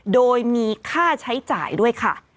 โดยมีค่าใช้จ่ายด้วยค่ะ